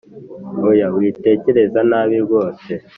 oya witekereza nabi rwose